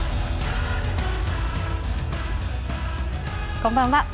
こんばんは。